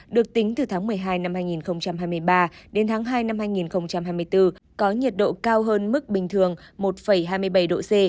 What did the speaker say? được tính từ tháng một mươi hai năm hai nghìn hai mươi ba đến tháng hai năm hai nghìn hai mươi bốn có nhiệt độ cao hơn mức bình thường một hai mươi bảy độ c